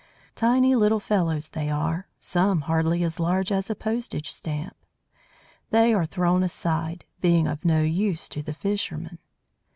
Tiny little fellows they are, some hardly as large as a postage stamp. They are thrown aside, being of no use to the fisherman.